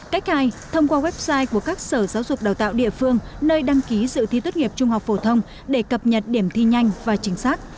cách hai thông qua website của các sở giáo dục đào tạo địa phương nơi đăng ký dự thi tốt nghiệp trung học phổ thông để cập nhật điểm thi nhanh và chính xác